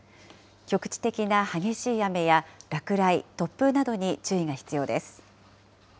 局地的な激しい雨や落雷、突風などに注意が必要です。